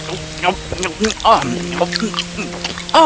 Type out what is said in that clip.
oh ini beberapa biji bijian yang kucuri di jalan pastinya